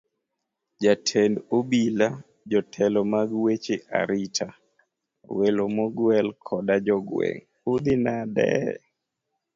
Jatend obila, jotelo mag weche arita, welo mogwel koda jogweng', udhi nade?